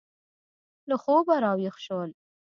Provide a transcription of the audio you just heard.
له خوبه را ویښ شول.